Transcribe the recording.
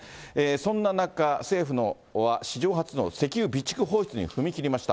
そんな中、政府は史上初の石油備蓄放出に踏み切りました。